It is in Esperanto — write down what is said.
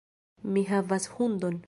Mi havas hundon.